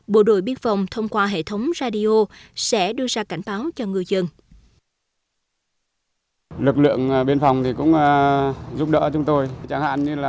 bộ đội biên phòng thông qua hệ thống radio sẽ đưa ra cảnh báo cho ngư dân